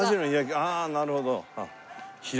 ああなるほど。